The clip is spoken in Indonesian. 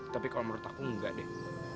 tapi kalau menurut aku enggak deh